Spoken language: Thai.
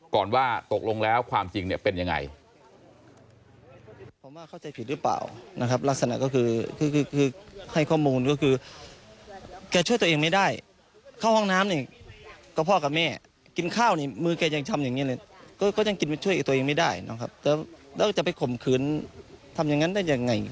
ว่าตกลงแล้วความจริงเนี่ยเป็นยังไง